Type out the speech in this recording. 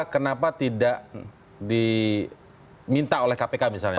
kenapa tidak diminta oleh kpk misalnya